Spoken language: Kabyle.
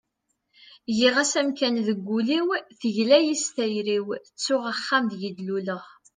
giɣ-as amkan deg ul-iw, tegla-yi s tayri-w, ttuɣ axxam deg i d-luleɣ